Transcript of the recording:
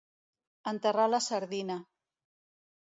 Enterrar la sardina.